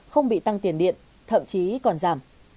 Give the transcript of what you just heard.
không bị tăng tiền điện thậm chí còn giảm